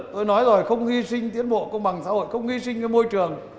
tôi nói rồi không nghi sinh tiến bộ công bằng xã hội không nghi sinh môi trường